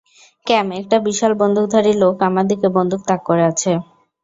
ক্যাম, একটা বিশাল বন্দুকধারী লোক আমার দিকে বন্দুক তাক করে আছে।